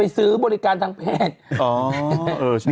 ไปซื้อบริการทางแพทย์